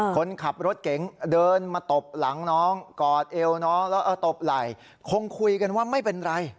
คนขับรถเก๋งเดินมาตบหลังน้องกอดเอวน้องแล้วเอาตบไหล่คงคุยกันว่าไม่เป็นไร